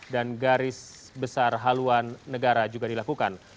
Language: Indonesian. dan garis besar haluan negara juga dilakukan